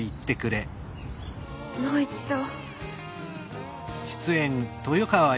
もう一度。